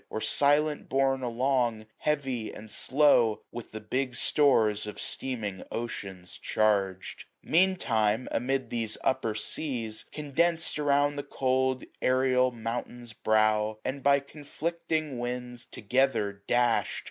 Or silent borne along, heavy, and slow, With the big stores of steaming oceans charged. Meantime, amid these upper seas, condensed 795 Around the cold aerial mountain's brow, And by conflicting winds together dash*d.